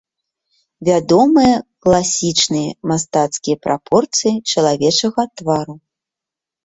Вядомыя класічныя мастацкія прапорцыі чалавечага твару.